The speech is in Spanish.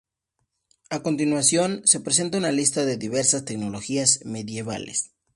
A continuación, se presenta una lista de diversas tecnologías medievales.